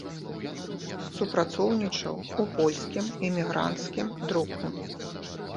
Супрацоўнічаў у польскім эмігранцкім друку.